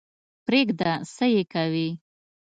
پرېږده څه یې کوې.